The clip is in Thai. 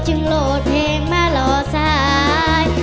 จึงโคตรเพลงม้ารอใส